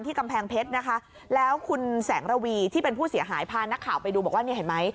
ที่เป็นผู้เสียหายพานักข่าวไปดูบอกว่า